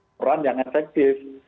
peran yang efektif